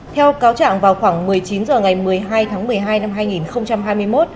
theo cáo trạng vào khoảng một mươi chín h ngày một mươi hai tháng một mươi hai năm hai nghìn hai mươi một